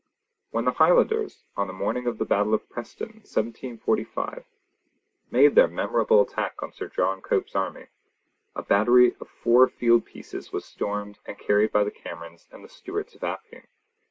When the Highlanders, on the morning of the battle of Preston, 1745, made their memorable attack on Sir John Cope's army, a battery of four field pieces was stormed and carried by the Camerons and the Stewarts of Appine.